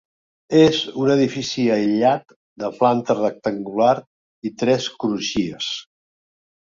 És un edifici aïllat de planta rectangular i tres crugies.